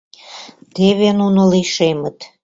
Теве нуно лишемыт.